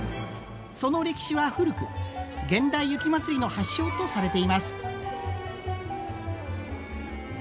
その歴史は古く現代雪まつりの発祥とされています。